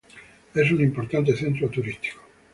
Es un importante centro turístico.